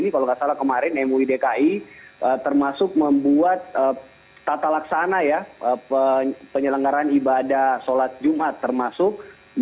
kalau nggak salah kemarin mui dki termasuk membuat tata laksana ya penyelenggaran ibadah sholat jumat termasuk